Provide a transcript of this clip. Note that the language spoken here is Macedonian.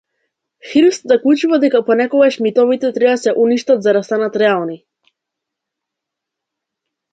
Хирст заклучува дека понекогаш митовите треба да се уништат за да станат реални.